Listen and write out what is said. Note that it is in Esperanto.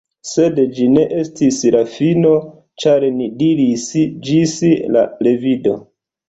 Sed ĝi ne estis la fino, ĉar ni diris, “Ĝis la revido!”